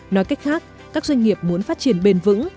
nói cách khác các doanh nghiệp muốn phát triển bền vững